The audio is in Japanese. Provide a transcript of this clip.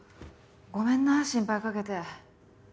ごめんな心配かけて。